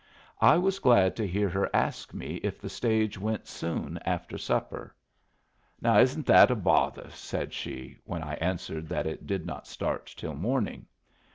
I was glad to hear her ask me if the stage went soon after supper. "Now isn't that a bother?" said she, when I answered that it did not start till morning.